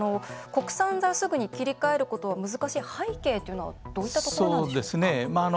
国産材、すぐに切り替えることが難しい背景というのはどういったところでしょうか？